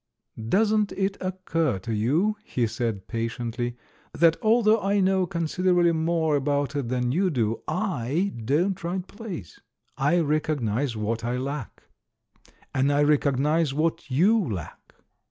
"Doesn't it occur to you," he said patiently, "that, although I know considerably more about it than you do, I don't write plays? I recognise what I lack. And I recognise what i/ou lack.